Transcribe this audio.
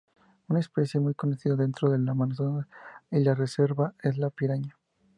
Una especie muy conocida dentro del amazonas y la reserva es la piraña.